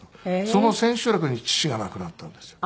その千秋楽に父が亡くなったんですよ。